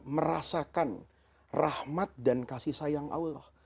merasakan rahmat dan kasih sayang allah